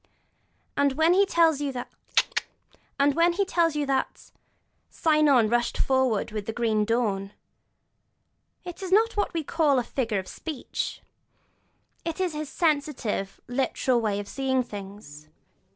And when he tells you that 'Cynon rushed forward with the green dawn,' it is not what we call a figure of speech: it is his sensitive, literal way of seeing things.